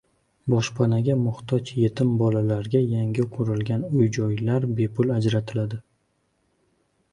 Boshpanaga muhtoj yetim bolalarga yangi qurilgan uy-joylar bepul ajratiladi